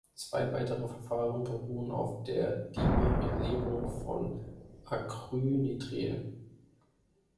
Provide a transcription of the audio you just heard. Zwei weitere Verfahren beruhen auf der Dimerisierung von Acrylnitril.